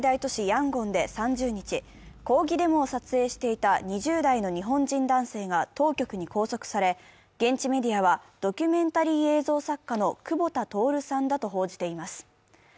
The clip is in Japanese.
ヤンゴンで３０日、抗議デモを撮影していた２０代の日本人男性が現地メディアはドキュメンタリー映像作家の久保田徹さんだと報じています。